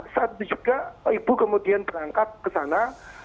saat itu juga ibu kemudian berangkat ke sana